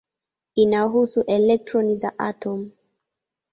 Inahusu elektroni za atomu.